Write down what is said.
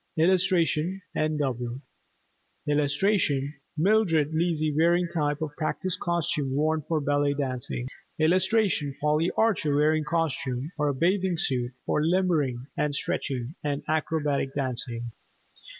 [Illustration: NW] [Illustration: MILDRED LEISY WEARING TYPE OF PRACTICE COSTUME WORN FOR BALLET DANCING.] [Illustration: POLLY ARCHER WEARING COSTUME (BATHING SUIT) FOR LIMBERING AND STRETCHING, AND ACROBATIC DANCING.